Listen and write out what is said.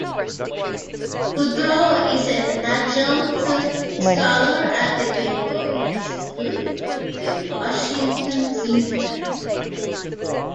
Boudreaux is an adjunct scholar at the Cato Institute, a Washington think tank.